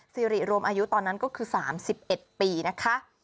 สิริรวมอายุตอนนั้นก็คือ๓๑ปีนะคะ